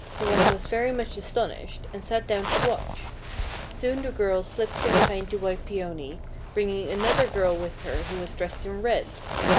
Hwang was very much astonished, and sat down to watch. Soon the girl slipped from behind the white Peony, bringing another girl with her who was dressed in red.